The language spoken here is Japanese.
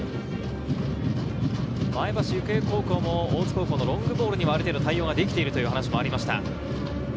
前橋育英高校も大津高校のロングボールには、ある程度対応ができているという話もありました。